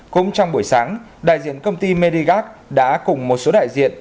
cũng trong buổi sáng đại diện công ty merigac đã cùng một số đại diện